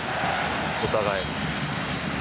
お互い。